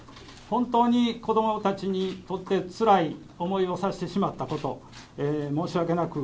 本当に子どもたちにとってつらい思いをさせてしまったこと、申し訳なく、